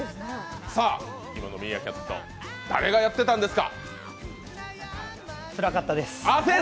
さあ、今のミーアキャット、誰がやってたんですか？